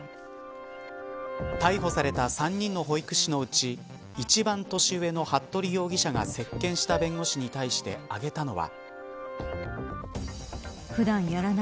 逮捕された３人の保育士のうち一番年上の服部容疑者が接見した弁護士に対して挙げたのは。